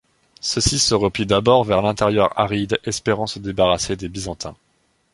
Ceux-ci se replient d'abord vers l'intérieur aride, espérant se débarrasser des Byzantins.